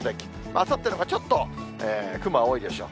あさってのほうがちょっと雲は多いでしょう。